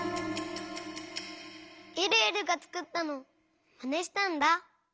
えるえるがつくったのをまねしたんだ。